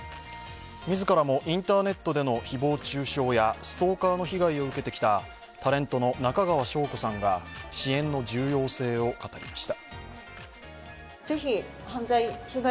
自らもインターネットでの誹謗中傷やストーカーの被害を受けてきたタレントの中川翔子さんが支援の重要性を語りました。